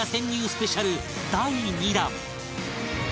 スペシャル第２弾